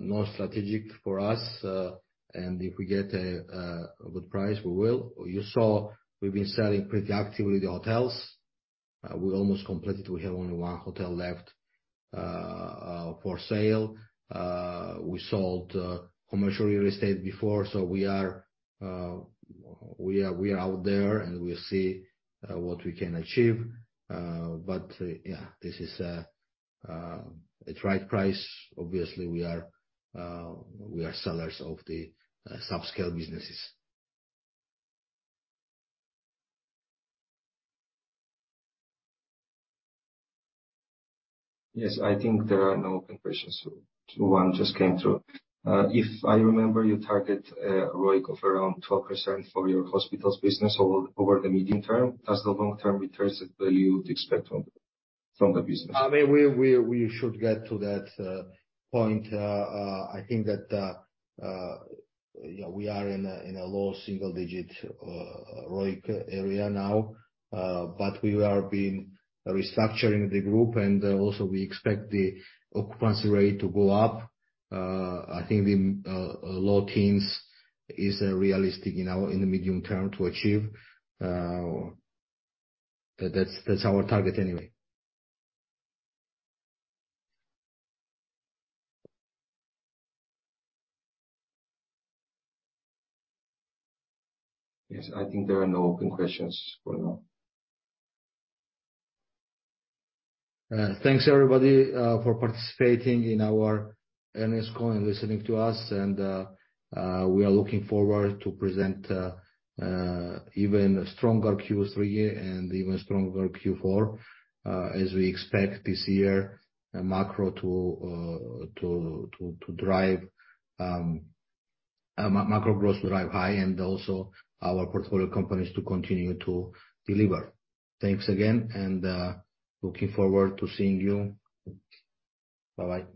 non-strategic for us. If we get a good price, we will. You saw we've been selling pretty actively the hotels. We almost completed. We have only one hotel left for sale. We sold commercial real estate before, so we are, we are, we are out there, and we'll see what we can achieve. Yeah, this is at right price, obviously, we are sellers of the subscale businesses. Yes, I think there are no open questions. One just came through. If I remember, you target a ROIC of around 12% for your hospitals business over, over the medium term. Does the long-term returns value you would expect from, from the business? I mean, we, we, we should get to that point. I think that, yeah, we are in a low single digit ROIC area now, but we are being restructuring the group, and also, we expect the occupancy rate to go up. I think the low teens is realistic in the medium term to achieve. That's, that's our target anyway. Yes, I think there are no open questions for now. Thanks, everybody, for participating in our earnings call and listening to us, we are looking forward to present even stronger third quarter and even stronger fourth quarter, as we expect this year, macro to to to drive macro growth to drive high and also our portfolio companies to continue to deliver. Thanks again, looking forward to seeing you. Bye-bye.